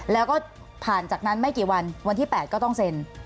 แล้วก็ผ่านจากนั้นไม่กี่วันวันที่๘ก็ต้องเซ็น